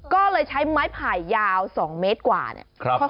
ก็เลยใช้ไม้ไผ่ยาว๒เมตรกว่าเนี่ย